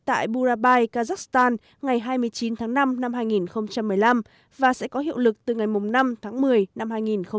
tại burabai kazakhstan ngày hai mươi chín tháng năm năm hai nghìn một mươi năm và sẽ có hiệu lực từ ngày năm tháng một mươi năm hai nghìn một mươi chín